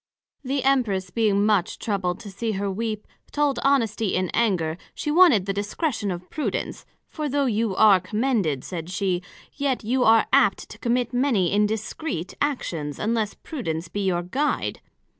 The Empress being much troubled to see her weep, told Honesty in anger, she wanted the discretion of Prudence; for though you are commended, said she, yet you are apt to commit many indiscreet actions, unless Prudence be your guide.